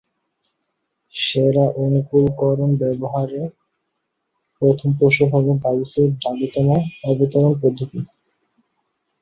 সেরা-অনুকূলকরণ ব্যবহারের প্রথম কৌশল হল গাউসের ঢালুতম-অবতরণ পদ্ধতি।